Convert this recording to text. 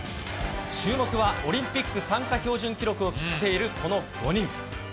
注目はオリンピック参加標準記録を切っているこの５人。